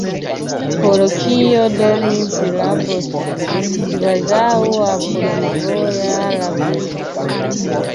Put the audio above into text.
Por kio do mi prirabos vin, kvazaŭ apudvoja rabisto?